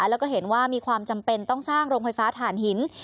แล้วก็เห็นว่ามีความจำเป็นต้องสร้างโรงไฟฟ้าฐานหิน